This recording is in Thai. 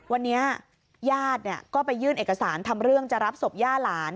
วันนี้ญาติก็ไปยื่นเอกสารทำเรื่องจะรับศพย่าหลาน